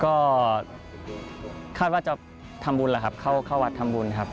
ก็คาดว่าจะเข้าเที่ยงที่เดียวกับศาสตร์ทำบุญครับ